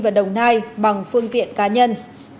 và đồng nai bằng phương tiện cá nhân